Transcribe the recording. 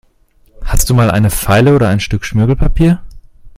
Hast du mal eine Feile oder ein Stück Schmirgelpapier?